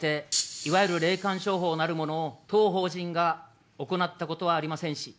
いわゆる霊感商法なるものを、当法人が行ったことはありませんし。